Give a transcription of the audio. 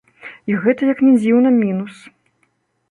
І гэта, як ні дзіўна, мінус.